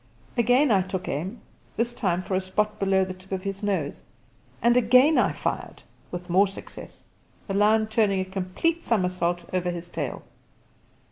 Again I took aim, this time for a spot below the tip of his nose, and again I fired with more success, the lion turning a complete somersault over his tail.